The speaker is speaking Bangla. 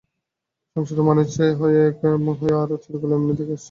সংসারে মানুষ চায় এক, হয় আর, চিরকাল এমনি দেখে আসছি ডাক্তারবাবু।